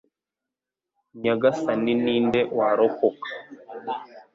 Nyagasani ni nde warokoka?